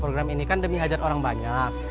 program ini kan demi hajat orang banyak